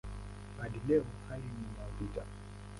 Hadi leo hali ni ya vita.